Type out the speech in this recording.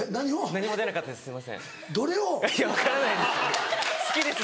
何も出なかったです